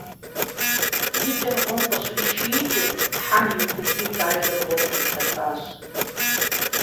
И кӏэр гъуэм къыщришиикӏым, хьэм иубыдри, бажэр гъуэм кърилъэфащ.